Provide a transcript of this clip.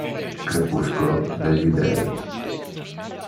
Crepuscolo degli dei